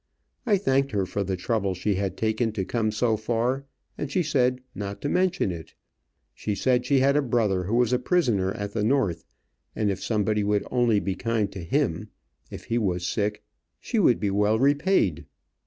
I thanked her for the trouble she had taken to come so far, and she said not to mention it. She said she had a brother who was a prisoner at the North, and if somebody would only be kind to him if he was sick, she would be well repaid.